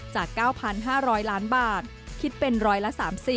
จาก๙๕๐๐ล้านบาทคิดเป็นร้อยละ๓๐